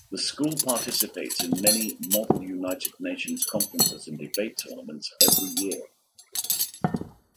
The school participates in many Model United Nations conferences and debate tournaments every year.